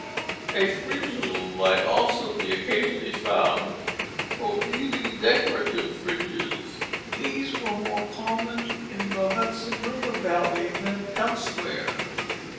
A fringe loom might also be occasionally found, for weaving decorative fringes; these were more common in the Hudson River valley than elsewhere.